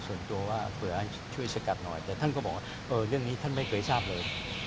ส่วนตัวว่าเผื่อช่วยสกัดหน่อยแต่ท่านก็บอกว่าเรื่องนี้ท่านไม่เคยทราบเลย